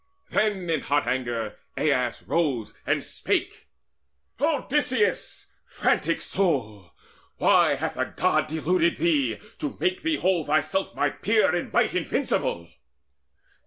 Then in hot anger Aias rose, and spake: "Odysseus, frantic soul, why hath a God Deluded thee, to make thee hold thyself My peer in might invincible?